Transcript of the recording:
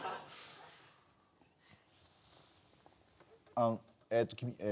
あのえっと君え。